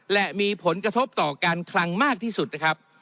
และมีผลกระทบต่อการคลังมากที่สุดนะครับ